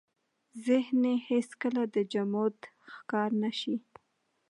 ذهن يې هېڅ کله د جمود ښکار نه شي.